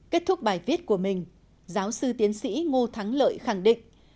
kết thúc bài viết của mình giáo sư tiến sĩ ngô thắng lợi khẳng định